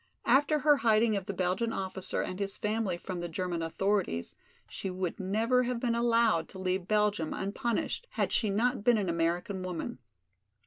After her hiding of the Belgian officer and his family from the German authorities, she would never have been allowed to leave Belgium unpunished had she not been an American woman.